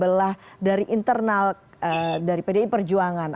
belah dari internal dari pdi perjuangan